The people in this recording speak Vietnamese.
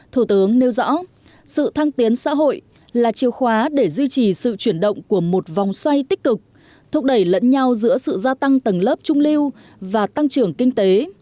thủ tướng nêu rõ sự thăng tiến xã hội là chìa khóa để duy trì sự chuyển động của một vòng xoay tích cực thúc đẩy lẫn nhau giữa sự gia tăng tầng lớp trung lưu và tăng trưởng kinh tế